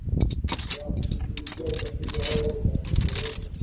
wa kushughulikia uchafuzi wa hewa unatekelezwa